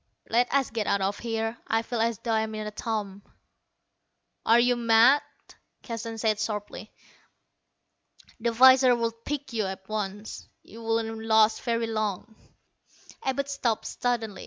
"Let us get out of here. I feel as though I'm in a tomb." "Are you mad?" Keston said sharply. "The visors would pick you up at once. You wouldn't last very long." Abud stopped suddenly.